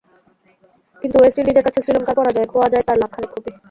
কিন্তু ওয়েস্ট ইন্ডিজের কাছে শ্রীলঙ্কার পরাজয়ে খোয়া যায় তাঁর লাখ খানেক রুপি।